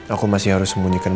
aku masih harus sembunyikan